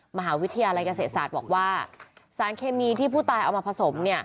มหาวิทยาลัยเกษตรศาสตร์บอกว่าสารเคมีที่ผู้ตายเอามาผสม